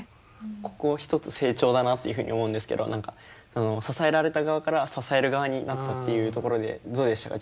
ここ一つ成長だなっていうふうに思うんですけど支えられた側から支える側になったっていうところでどうでしたか？